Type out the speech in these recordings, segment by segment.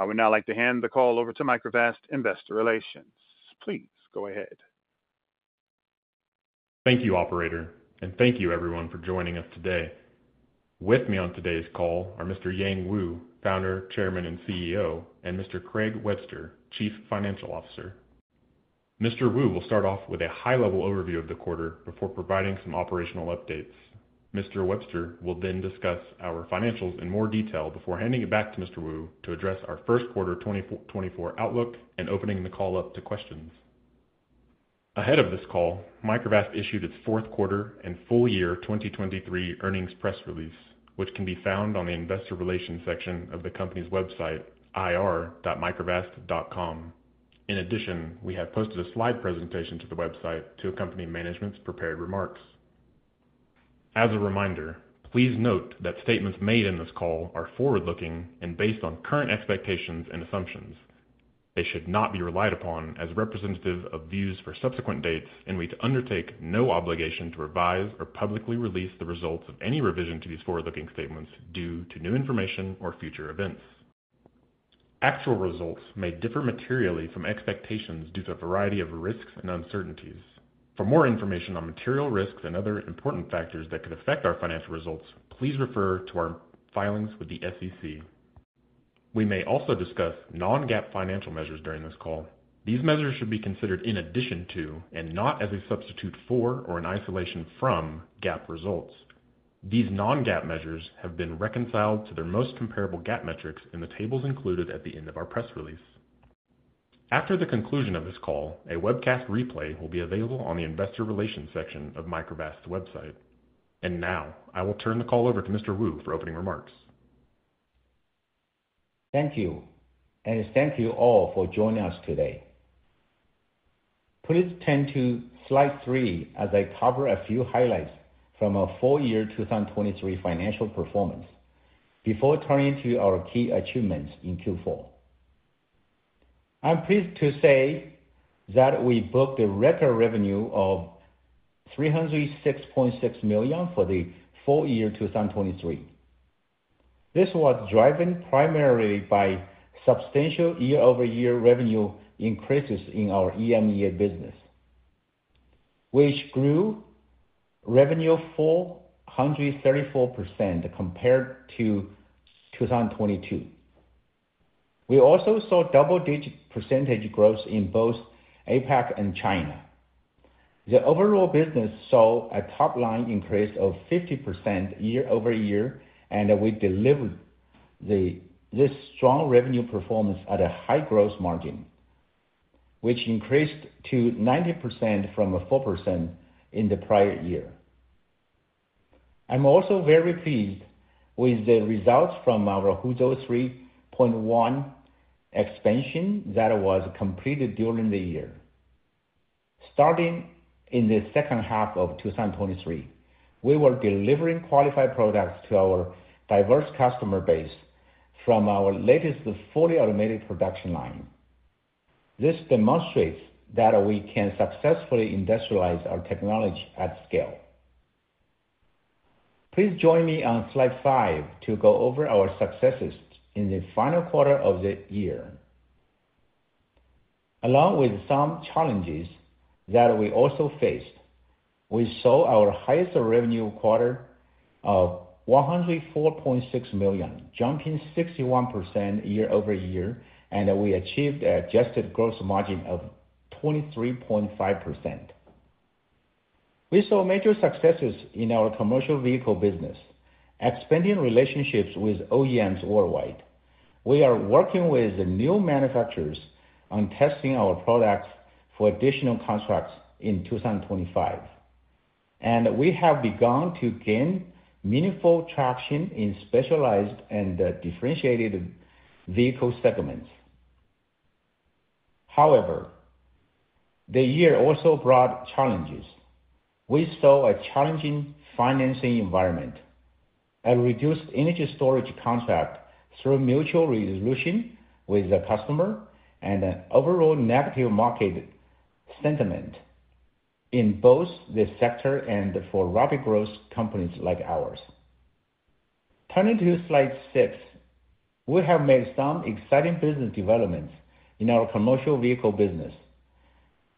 I would now like to hand the call over to Microvast Investor Relations. Please go ahead. Thank you, operator, and thank you everyone for joining us today. With me on today's call are Mr. Yang Wu, founder, chairman, and CEO, and Mr. Craig Webster, Chief Financial Officer. Mr. Wu will start off with a high-level overview of the quarter before providing some operational updates. Mr. Webster will then discuss our financials in more detail before handing it back to Mr. Wu to address our first quarter 2024, 2024 outlook and opening the call up to questions. Ahead of this call, Microvast issued its fourth quarter and full year 2023 earnings press release, which can be found on the investor relations section of the company's website, ir.microvast.com. In addition, we have posted a slide presentation to the website to accompany management's prepared remarks. As a reminder, please note that statements made in this call are forward-looking and based on current expectations and assumptions. They should not be relied upon as representative of views for subsequent dates, and we undertake no obligation to revise or publicly release the results of any revision to these forward-looking statements due to new information or future events. Actual results may differ materially from expectations due to a variety of risks and uncertainties. For more information on material risks and other important factors that could affect our financial results, please refer to our filings with the SEC. We may also discuss non-GAAP financial measures during this call. These measures should be considered in addition to, and not as a substitute for or an isolation from, GAAP results. These non-GAAP measures have been reconciled to their most comparable GAAP metrics in the tables included at the end of our press release. After the conclusion of this call, a webcast replay will be available on the investor relations section of Microvast's website. Now, I will turn the call over to Mr. Wu for opening remarks. Thank you, and thank you all for joining us today. Please turn to slide 3 as I cover a few highlights from our full year 2023 financial performance before turning to our key achievements in Q4. I'm pleased to say that we booked a record revenue of $306.6 million for the full year 2023. This was driven primarily by substantial year-over-year revenue increases in our EMEA business, which grew revenue 434% compared to 2022. We also saw double-digit percentage growth in both APAC and China. The overall business saw a top line increase of 50% year-over-year, and we delivered this strong revenue performance at a high Gross margin, which increased to 90% from 4% in the prior year. I'm also very pleased with the results from our Huzhou 3.1 expansion that was completed during the year. Starting in the second half of 2023, we were delivering qualified products to our diverse customer base from our latest fully automated production line. This demonstrates that we can successfully industrialize our technology at scale. Please join me on slide 5 to go over our successes in the final quarter of the year. Along with some challenges that we also faced, we saw our highest revenue quarter of $104.6 million, jumping 61% year-over-year, and we achieved an adjusted gross margin of 23.5%. We saw major successes in our commercial vehicle business, expanding relationships with OEMs worldwide. We are working with the new manufacturers on testing our products for additional contracts in 2025, and we have begun to gain meaningful traction in specialized and differentiated vehicle segments. However, the year also brought challenges. We saw a challenging financing environment, a reduced energy storage contract through mutual resolution with the customer, and an overall negative market sentiment in both the sector and for rapid growth companies like ours. Turning to slide 6, we have made some exciting business developments in our commercial vehicle business.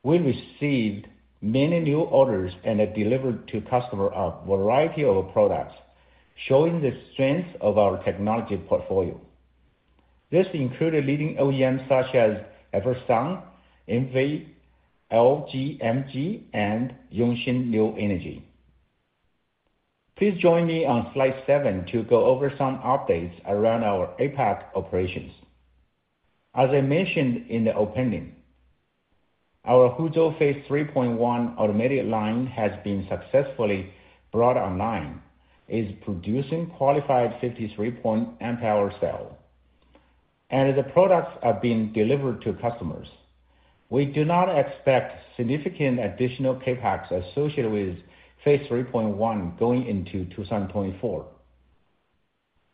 We received many new orders and have delivered to customer a variety of products, showing the strength of our technology portfolio. This included leading OEMs such as eVersum, NV, LGMG, and Yongxing New Energy. Please join me on slide 7 to go over some updates around our APAC operations. As I mentioned in the opening, our Huzhou Phase 3.1 automated line has been successfully brought online. It's producing qualified 53 Ah cell, and the products are being delivered to customers. We do not expect significant additional CapEx associated with Phase 3.1 going into 2024.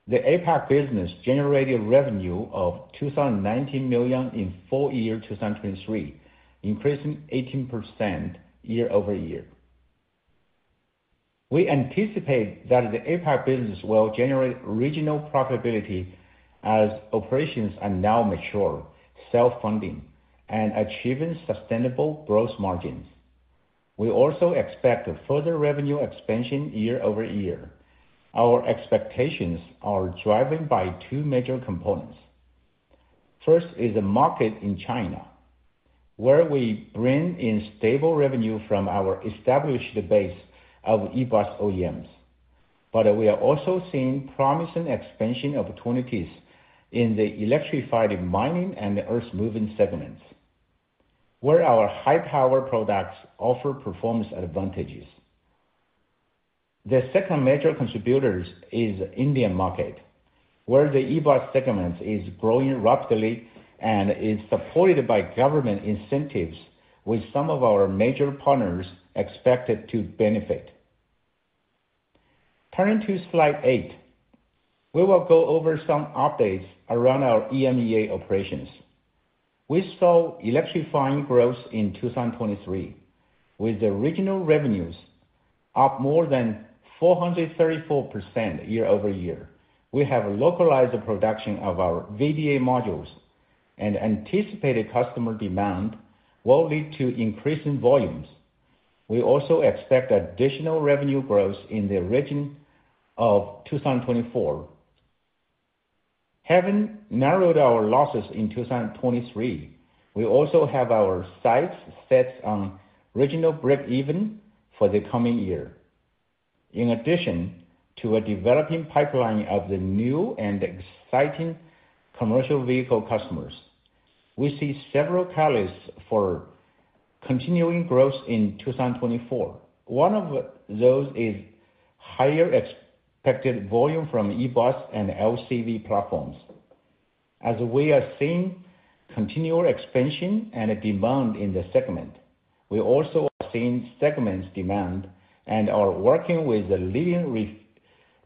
The APAC business generated revenue of $219 million in full year 2023, increasing 18% year-over-year. We anticipate that the APAC business will generate regional profitability as operations are now mature, self-funding, and achieving sustainable gross margins. We also expect a further revenue expansion year over year. Our expectations are driven by 2 major components. First is the market in China, where we bring in stable revenue from our established base of eBus OEMs. But we are also seeing promising expansion opportunities in the electrified mining and the earth-moving segments, where our high-power products offer performance advantages. The second major contributor is the Indian market, where the eBus segment is growing rapidly and is supported by government incentives, with some of our major partners expected to benefit. Turning to slide 8, we will go over some updates around our EMEA operations. We saw electrifying growth in 2023, with the regional revenues up more than 434% year-over-year. We have localized the production of our VDA modules, and anticipated customer demand will lead to increasing volumes. We also expect additional revenue growth in the region in 2024. Having narrowed our losses in 2023, we also have our sights set on regional breakeven for the coming year In addition to a developing pipeline of the new and exciting commercial vehicle customers, we see several catalysts for continuing growth in 2024. One of those is higher expected volume from eBus and LCV platforms. As we are seeing continual expansion and demand in the segment, we also are seeing segments demand and are working with the leading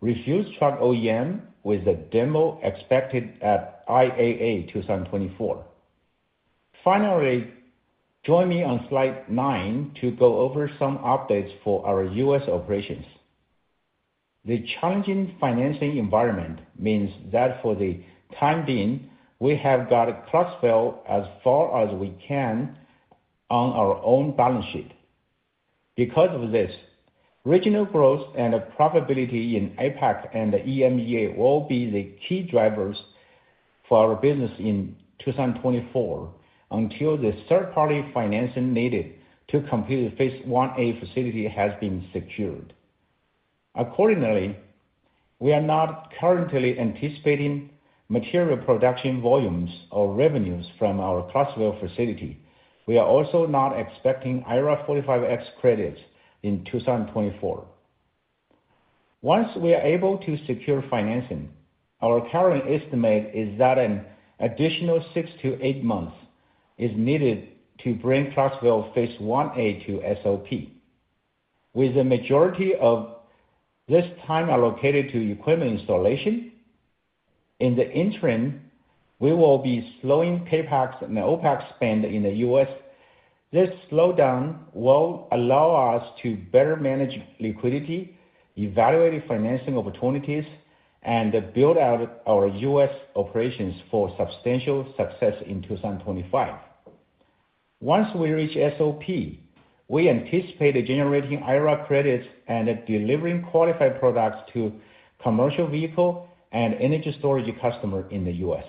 refuse truck OEM, with a demo expected at IAA 2024. Finally, join me on slide 9 to go over some updates for our U.S. operations. The challenging financing environment means that for the time being, we have got Clarksville as far as we can on our own balance sheet. Because of this, regional growth and profitability in APAC and the EMEA will be the key drivers for our business in 2024, until the third-party financing needed to complete the Phase 1A facility has been secured. Accordingly, we are not currently anticipating material production volumes or revenues from our Clarksville facility. We are also not expecting IRA 45X credits in 2024. Once we are able to secure financing, our current estimate is that an additional 6-8 months is needed to bring Clarksville Phase 1A to SOP, with the majority of this time allocated to equipment installation. In the interim, we will be slowing CapEx and OpEx spend in the U.S. This slowdown will allow us to better manage liquidity, evaluate financing opportunities, and build out our U.S. operations for substantial success in 2025. Once we reach SOP, we anticipate generating IRA credits and delivering qualified products to commercial vehicle and energy storage customer in the U.S.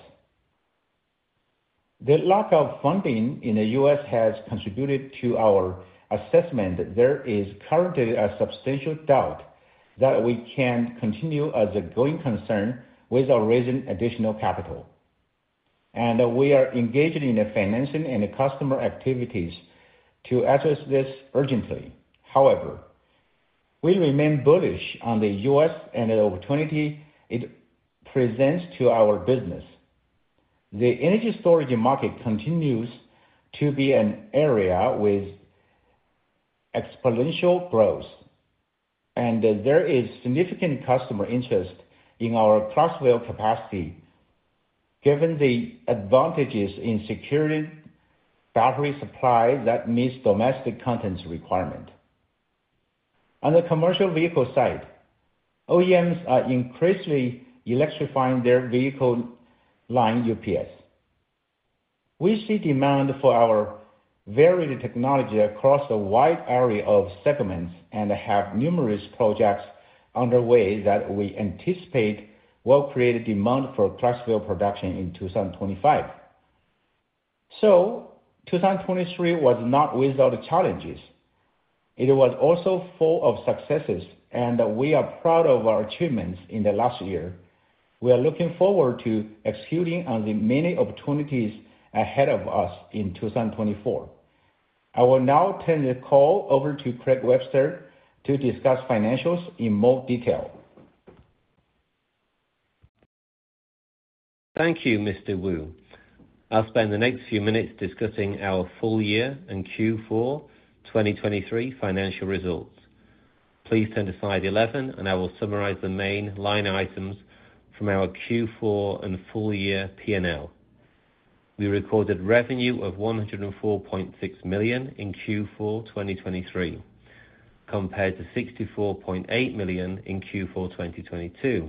The lack of funding in the U.S. has contributed to our assessment that there is currently a substantial doubt that we can continue as a going concern with raising additional capital. We are engaged in the financing and the customer activities to address this urgently. However, we remain bullish on the U.S. and the opportunity it presents to our business. The energy storage market continues to be an area with exponential growth, and there is significant customer interest in our Clarksville capacity, given the advantages in securing battery supply that meets domestic content requirements. On the commercial vehicle side, OEMs are increasingly electrifying their vehicle lineups. We see demand for our varied technology across a wide array of segments and have numerous projects underway that we anticipate will create demand for Clarksville production in 2025. 2023 was not without challenges. It was also full of successes, and we are proud of our achievements in the last year. We are looking forward to executing on the many opportunities ahead of us in 2024. I will now turn the call over to Craig Webster to discuss financials in more detail. Thank you, Mr. Wu. I'll spend the next few minutes discussing our full year and Q4 2023 financial results. Please turn to slide 11, and I will summarize the main line items from our Q4 and full year P&L. We recorded revenue of $104.6 million in Q4 2023, compared to $64.8 million in Q4 2022,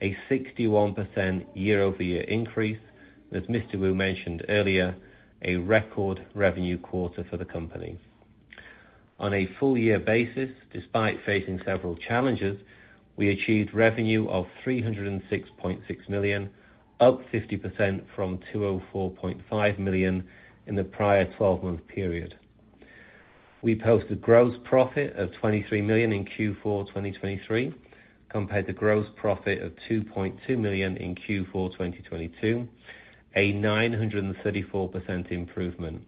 a 61% year-over-year increase, as Mr. Wu mentioned earlier, a record revenue quarter for the company. On a full year basis, despite facing several challenges, we achieved revenue of $306.6 million, up 50% from $204.5 million in the prior twelve-month period. We posted gross profit of $23 million in Q4 2023, compared to gross profit of $2.2 million in Q4 2022, a 934% improvement.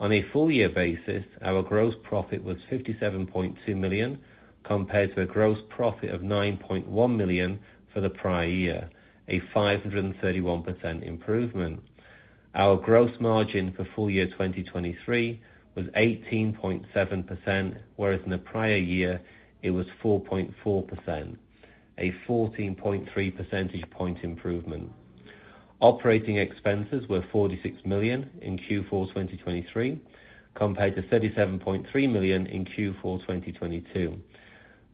On a full year basis, our gross profit was $57.2 million, compared to a gross profit of $9.1 million for the prior year, a 531% improvement. Our gross margin for full year 2023 was 18.7%, whereas in the prior year it was 4.4%, a 14.3 percentage point improvement. Operating expenses were $46 million in Q4 2023, compared to $37.3 million in Q4 2022.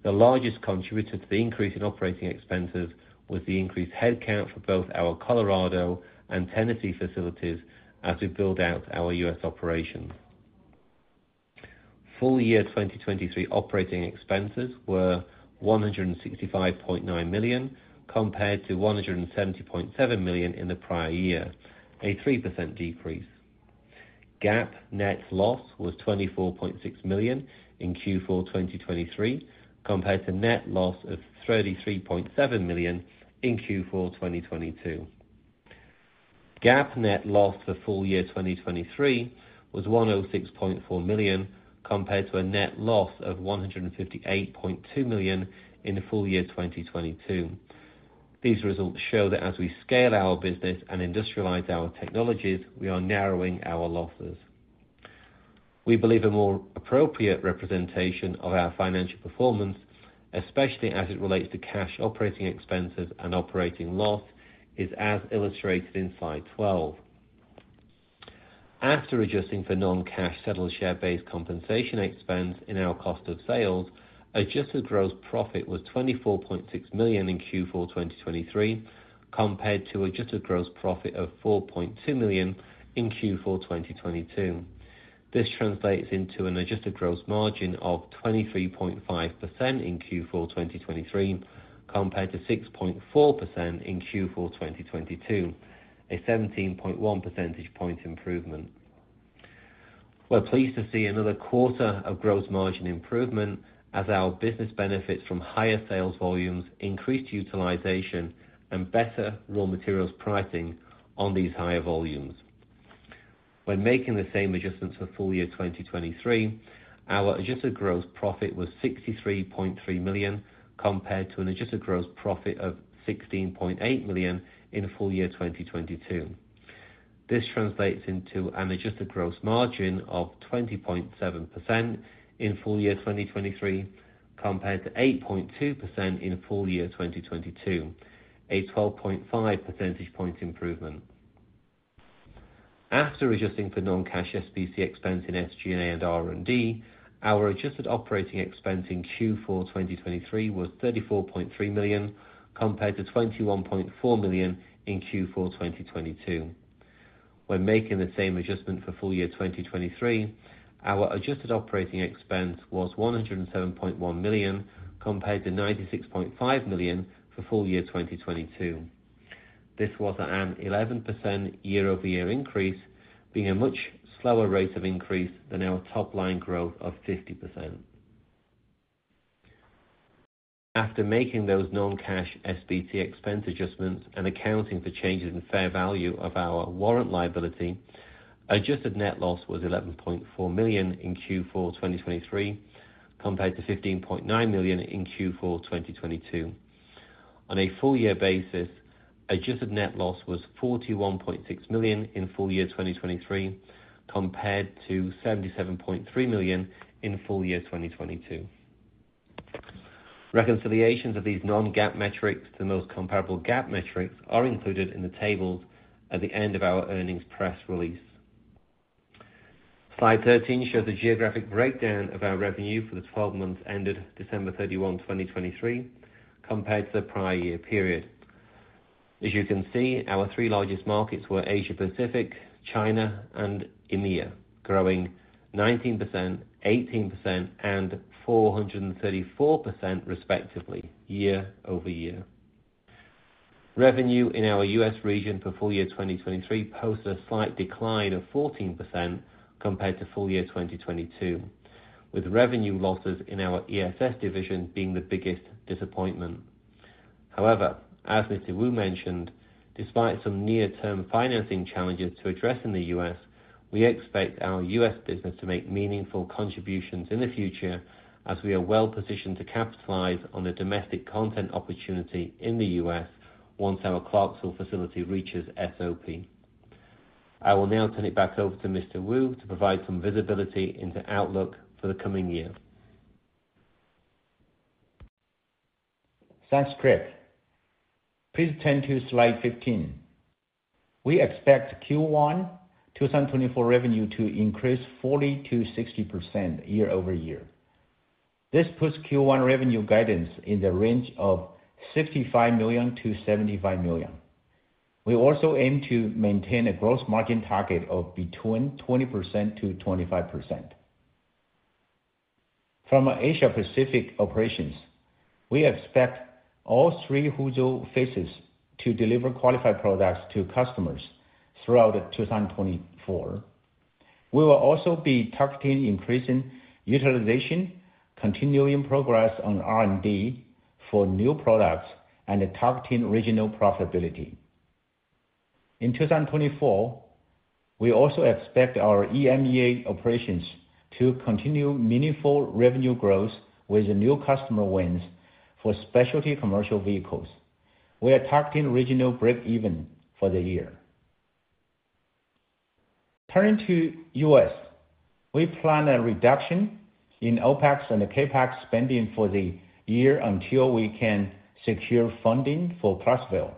The largest contributor to the increase in operating expenses was the increased headcount for both our Colorado and Tennessee facilities as we build out our U.S. operations. Full year 2023 operating expenses were $165.9 million, compared to $170.7 million in the prior year, a 3% decrease. GAAP net loss was $24.6 million in Q4 2023, compared to net loss of $33.7 million in Q4 2022. GAAP net loss for full year 2023 was $106.4 million, compared to a net loss of $158.2 million in the full year 2022. These results show that as we scale our business and industrialize our technologies, we are narrowing our losses. We believe a more appropriate representation of our financial performance, especially as it relates to cash operating expenses and operating loss, is as illustrated in slide 12. After adjusting for non-cash settled share-based compensation expense in our cost of sales, adjusted gross profit was $24.6 million in Q4 2023, compared to adjusted gross profit of $4.2 million in Q4 2022. This translates into an adjusted gross margin of 23.5% in Q4 2023, compared to 6.4% in Q4 2022, a 17.1 percentage point improvement. We're pleased to see another quarter of gross margin improvement as our business benefits from higher sales volumes, increased utilization, and better raw materials pricing on these higher volumes. When making the same adjustments for full year 2023, our adjusted gross profit was $63.3 million, compared to an adjusted gross profit of $16.8 million in full year 2022. This translates into an adjusted gross margin of 20.7% in full year 2023, compared to 8.2% in full year 2022, a 12.5 percentage point improvement. After adjusting for non-cash SBC expense in SG&A and R&D, our adjusted operating expense in Q4 2023 was $34.3 million, compared to $21.4 million in Q4 2022. When making the same adjustment for full year 2023, our adjusted operating expense was $107.1 million, compared to $96.5 million for full year 2022. This was an 11% year-over-year increase, being a much slower rate of increase than our top line growth of 50%. After making those non-cash SBC expense adjustments and accounting for changes in fair value of our warrant liability, adjusted net loss was $11.4 million in Q4 2023, compared to $15.9 million in Q4 2022. On a full year basis, adjusted net loss was $41.6 million in full year 2023, compared to $77.3 million in full year 2022. Reconciliations of these non-GAAP metrics to the most comparable GAAP metrics are included in the tables at the end of our earnings press release. Slide 13 shows the geographic breakdown of our revenue for the twelve months ended December 31, 2023, compared to the prior year period. As you can see, our three largest markets were Asia Pacific, China, and EMEA, growing 19%, 18%, and 434% respectively year-over-year. Revenue in our U.S. region for full year 2023 posted a slight decline of 14% compared to full year 2022, with revenue losses in our ESS division being the biggest disappointment. However, as Mr. Wu mentioned, despite some near-term financing challenges to address in the U.S., we expect our U.S. business to make meaningful contributions in the future, as we are well positioned to capitalize on the domestic content opportunity in the U.S. once our Clarksville facility reaches SOP. I will now turn it back over to Mr. Wu to provide some visibility into outlook for the coming year. Thanks, Craig. Please turn to slide 15. We expect Q1 2024 revenue to increase 40%-60% year-over-year. This puts Q1 revenue guidance in the range of $65 million-$75 million. We also aim to maintain a gross margin target of between 20% to 25%. From our Asia Pacific operations, we expect all three Huzhou phases to deliver qualified products to customers throughout 2024. We will also be targeting increasing utilization, continuing progress on R&D for new products, and targeting regional profitability. In 2024, we also expect our EMEA operations to continue meaningful revenue growth with new customer wins for specialty commercial vehicles. We are targeting regional break-even for the year. Turning to U.S., we plan a reduction in OpEx and the CapEx spending for the year until we can secure funding for Clarksville.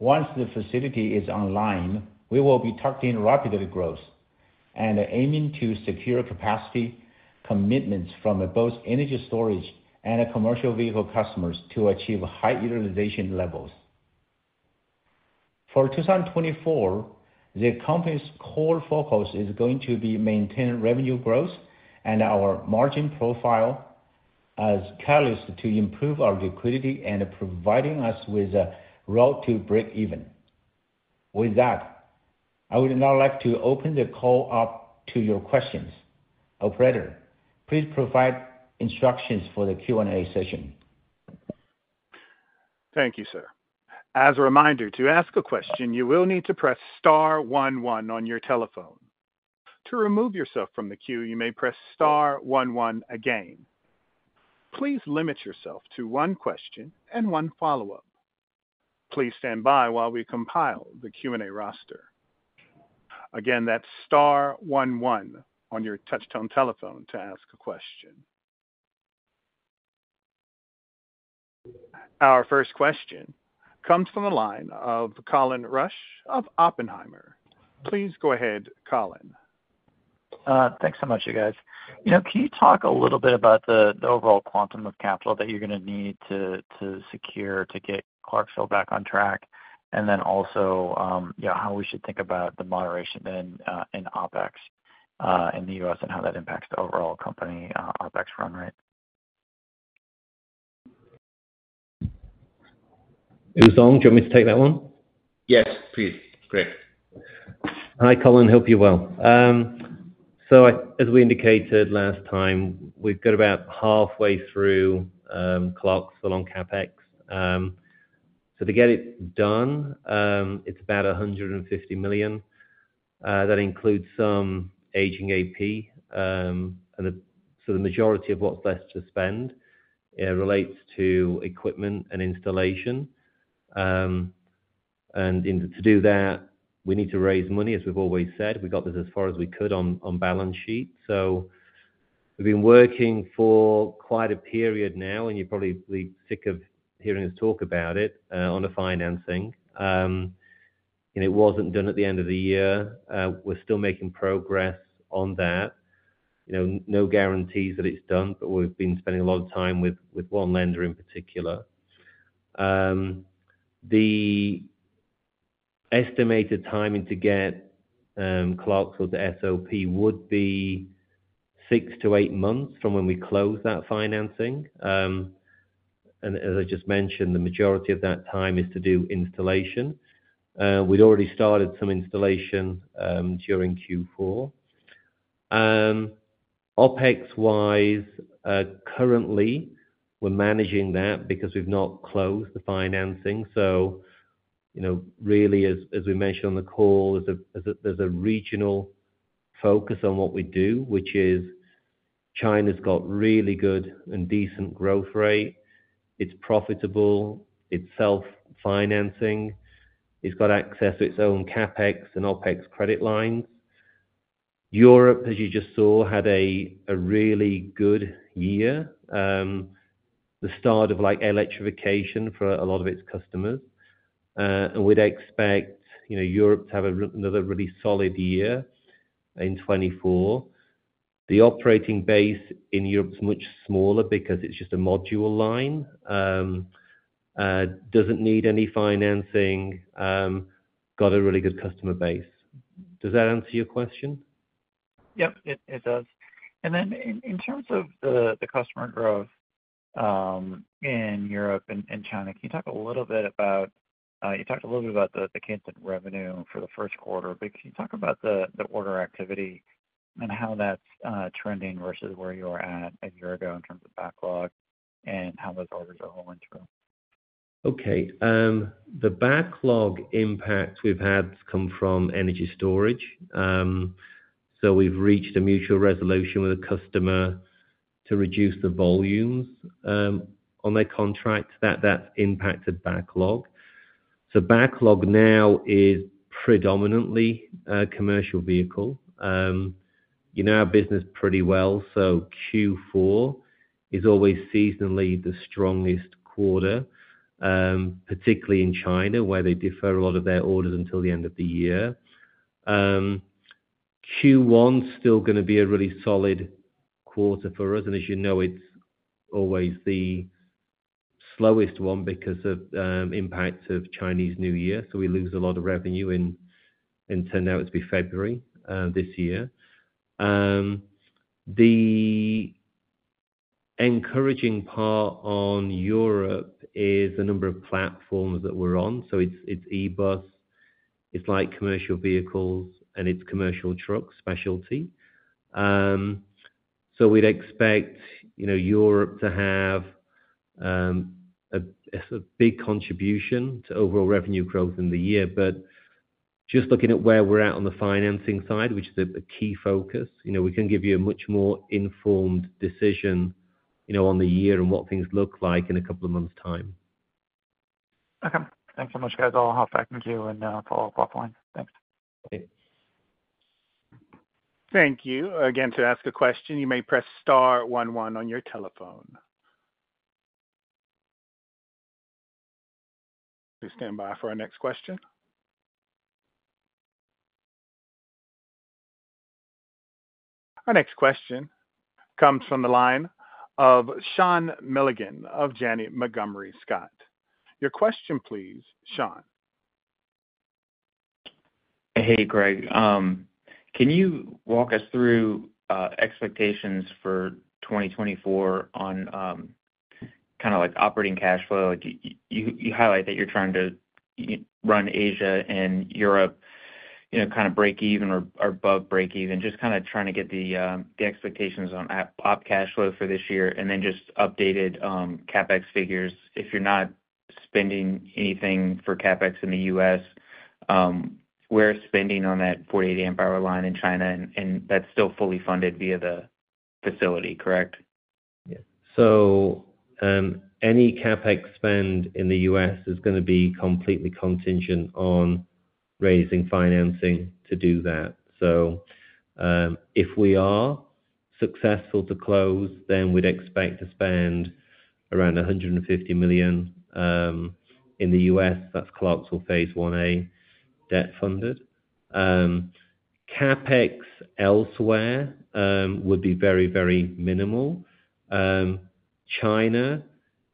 Once the facility is online, we will be targeting rapid growth and aiming to secure capacity commitments from both energy storage and commercial vehicle customers to achieve high utilization levels. For 2024, the company's core focus is going to be maintaining revenue growth and our margin profile as catalyst to improve our liquidity and providing us with a route to break even. With that, I would now like to open the call up to your questions. Operator, please provide instructions for the Q&A session. Thank you, sir. As a reminder, to ask a question, you will need to press star one one on your telephone. To remove yourself from the queue, you may press star one one again. Please limit yourself to one question and one follow-up. Please stand by while we compile the Q&A roster. Again, that's star one one on your touchtone telephone to ask a question. Our first question comes from the line of Colin Rusch of Oppenheimer. Please go ahead, Colin. Thanks so much, you guys. You know, can you talk a little bit about the overall quantum of capital that you're gonna need to secure to get Clarksville back on track? And then also, yeah, how we should think about the moderation then, in OpEx, in the U.S., and how that impacts the overall company, OpEx run rate? Yang, do you want me to take that one? Yes, please, Craig. Hi, Colin, hope you're well. So, as we indicated last time, we've got about halfway through Clarksville on CapEx. So, to get it done, it's about $150 million. That includes some aging AP, and so the majority of what's left to spend relates to equipment and installation. And then, to do that, we need to raise money, as we've always said. We got this as far as we could on balance sheet. So, we've been working for quite a period now, and you're probably sick of hearing us talk about it on the financing. And it wasn't done at the end of the year. We're still making progress on that. You know, no guarantees that it's done, but we've been spending a lot of time with one lender in particular. The estimated timing to get Clarksville to SOP would be six to eight months from when we close that financing. And as I just mentioned, the majority of that time is to do installation. We'd already started some installation during Q4. OpEx-wise, currently, we're managing that because we've not closed the financing. So, you know, really, as we mentioned on the call, there's a regional focus on what we do, which is China's got really good and decent growth rate. It's profitable, it's self-financing, it's got access to its own CapEx and OpEx credit lines. Europe, as you just saw, had a really good year, the start of, like, electrification for a lot of its customers. And we'd expect, you know, Europe to have another really solid year in 2024. The operating base in Europe is much smaller because it's just a module line. Doesn't need any financing, got a really good customer base. Does that answer your question? Yep, it does. And then in terms of the customer growth in Europe and China, can you talk a little bit about you talked a little bit about the China revenue for the first quarter, but can you talk about the order activity and how that's trending versus where you were at a year ago in terms of backlog and how those orders are rolling through? Okay, the backlog impact we've had come from energy storage. So we've reached a mutual resolution with a customer to reduce the volumes on their contract. That, that's impacted backlog. So backlog now is predominantly commercial vehicle. You know our business pretty well, so Q4 is always seasonally the strongest quarter, particularly in China, where they defer a lot of their orders until the end of the year. Q1 is still gonna be a really solid quarter for us, and as you know, it's always the slowest one because of impacts of Chinese New Year. So we lose a lot of revenue in, in turn, out to be February, this year. The encouraging part on Europe is the number of platforms that we're on. So it's, it's e-bus, it's like commercial vehicles, and it's commercial trucks specialty. So we'd expect, you know, Europe to have a big contribution to overall revenue growth in the year. But just looking at where we're at on the financing side, which is a key focus, you know, we can give you a much more informed decision, you know, on the year and what things look like in a couple of months' time. Okay. Thanks so much, guys. I'll hop back in queue and, I'll pop off the line. Thanks. Okay. Thank you. Again, to ask a question, you may press star one one on your telephone. Please stand by for our next question. Our next question comes from the line of Sean Milligan of Janney Montgomery Scott. Your question, please, Sean. Hey, Craig. Can you walk us through expectations for 2024 on kind of like operating cash flow? Like, you highlight that you're trying to run Asia and Europe, you know, kind of breakeven or above breakeven. Just kind of trying to get the expectations on op cash flow for this year, and then just updated CapEx figures. If you're not spending anything for CapEx in the U.S., we're spending on that 48 amp hour line in China, and that's still fully funded via the facility, correct? So, any CapEx spend in the U.S. is gonna be completely contingent on raising financing to do that. So, if we are successful to close, then we'd expect to spend around $150 million in the U.S. That's Clarksville Phase One A, debt funded. CapEx elsewhere would be very, very minimal. China,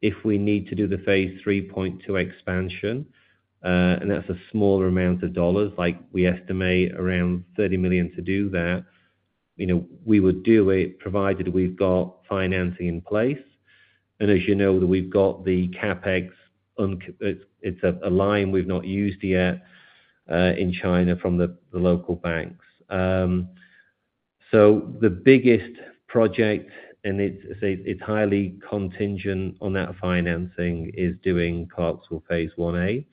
if we need to do the phase 3.2 expansion, and that's a smaller amount of dollars, like we estimate around $30 million to do that. You know, we would do it, provided we've got financing in place. And as you know, we've got the CapEx, it's a line we've not used yet in China from the local banks. So the biggest project, and it's highly contingent on that financing, is doing Clarksville Phase One A.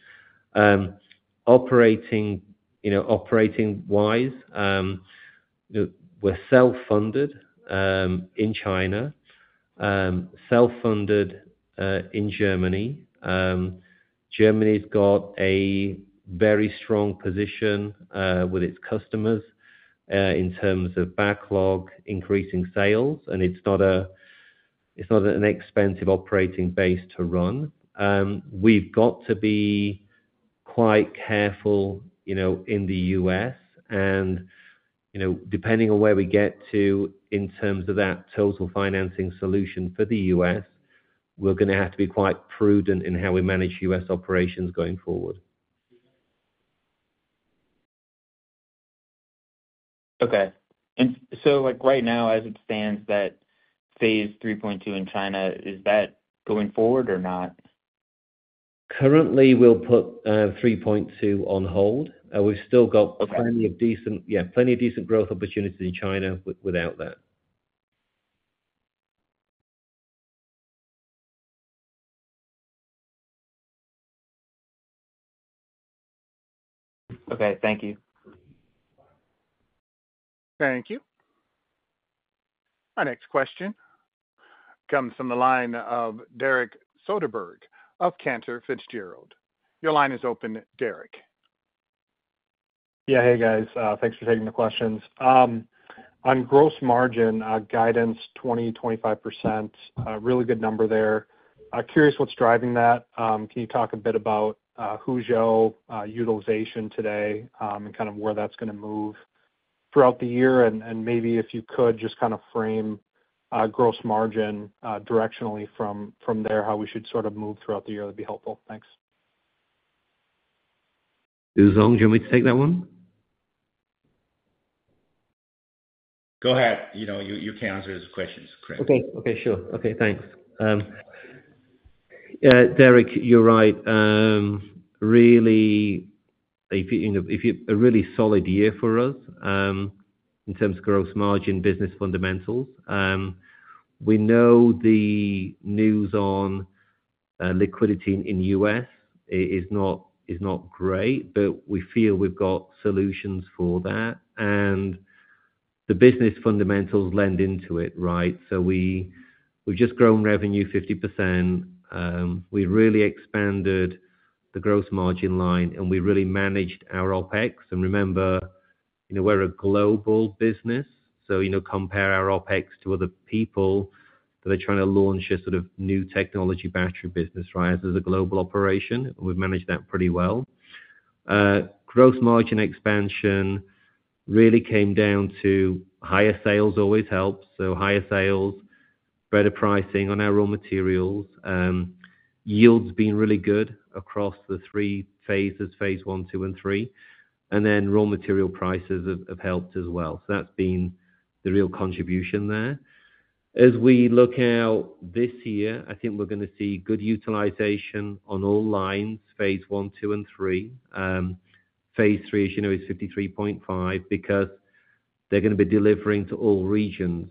Operating, you know, operating wise, we're self-funded in China, self-funded in Germany. Germany's got a very strong position with its customers in terms of backlog, increasing sales, and it's not an expensive operating base to run. We've got to be quite careful, you know, in the U.S., and, you know, depending on where we get to in terms of that total financing solution for the U.S., we're gonna have to be quite prudent in how we manage U.S. operations going forward. Okay. And so, like, right now, as it stands, that Phase 3.2 in China, is that going forward or not? Currently, we'll put 3.2 on hold. We've still got- Okay. plenty of decent growth opportunities in China without that. Okay. Thank you. Thank you. Our next question comes from the line of Derek Soderberg of Cantor Fitzgerald. Your line is open, Derek. Yeah. Hey, guys, thanks for taking the questions. On gross margin guidance 20%-25%, really good number there. Curious what's driving that. Can you talk a bit about Huzhou utilization today, and kind of where that's gonna move throughout the year? And maybe if you could just kind of frame gross margin directionally from there, how we should sort of move throughout the year, that'd be helpful. Thanks. Yang, do you want me to take that one? Go ahead. You know, you can answer his questions, Craig. Okay. Okay, sure. Okay, thanks. Derek, you're right. Really, a really solid year for us in terms of gross margin business fundamentals. We know the news on liquidity in the U.S. is not great, but we feel we've got solutions for that, and the business fundamentals lend into it, right? So we've just grown revenue 50%. We've really expanded the gross margin line, and we really managed our OpEx. And remember, you know, we're a global business, so, you know, compare our OpEx to other people that are trying to launch a sort of new technology battery business, right? As a global operation, we've managed that pretty well. Gross margin expansion really came down to higher sales always helps, so higher sales, better pricing on our raw materials, yields being really good across the three phases, phase one, two, and three, and then raw material prices have helped as well. So that's been the real contribution there. As we look out this year, I think we're gonna see good utilization on all lines, phase one, two, and three. Phase three, as you know, is 53.5, because they're gonna be delivering to all regions,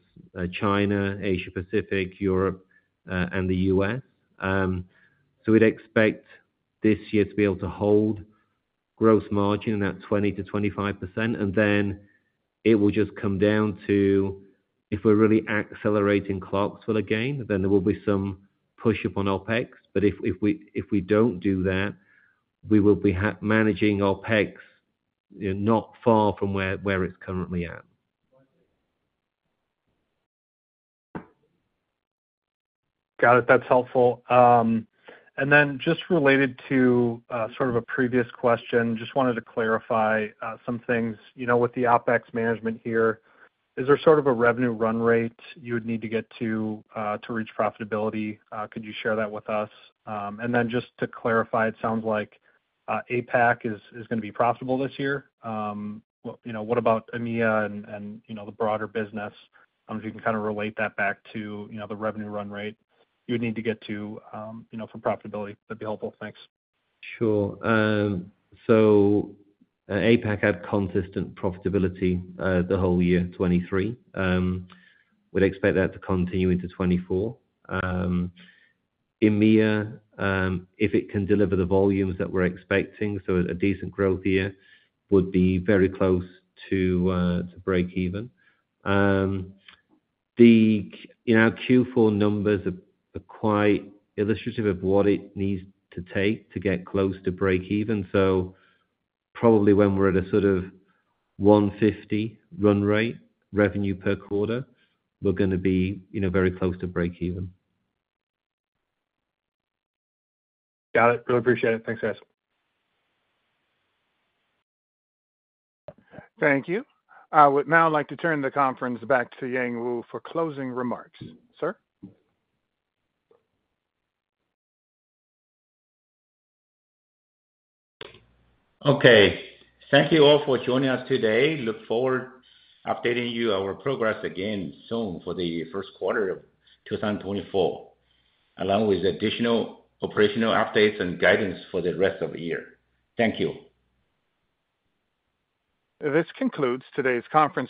China, Asia/Pacific, Europe, and the US. So we'd expect this year to be able to hold gross margin in that 20%-25%, and then it will just come down to, if we're really accelerating Clarksville again, then there will be some push-up on OpEx. But if we don't do that, we will be managing OpEx, you know, not far from where it's currently at. Got it. That's helpful. And then just related to sort of a previous question, just wanted to clarify some things. You know, with the OpEx management here, is there sort of a revenue run rate you would need to get to to reach profitability? Could you share that with us? And then just to clarify, it sounds like APAC is gonna be profitable this year. You know, what about EMEA and the broader business? If you can kind of relate that back to the revenue run rate you'd need to get to for profitability, that'd be helpful. Thanks. Sure. So, APAC had consistent profitability, the whole year, 2023. We'd expect that to continue into 2024. EMEA, if it can deliver the volumes that we're expecting, so a decent growth year would be very close to breakeven. You know, the Q4 numbers are quite illustrative of what it needs to take to get close to breakeven. So probably when we're at a sort of $150 run rate, revenue per quarter, we're gonna be, you know, very close to breakeven. Got it. Really appreciate it. Thanks, guys Thank you. I would now like to turn the conference back to Yang Wu for closing remarks. Sir? Okay. Thank you all for joining us today. Look forward to updating you our progress again soon for the first quarter of 2024, along with additional operational updates and guidance for the rest of the year. Thank you. This concludes today's conference.